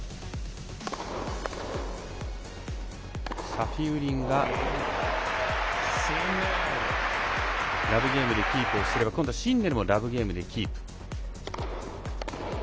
サフィウリンがラブゲームでキープすれば今度はシンネルもラブゲームでキープ。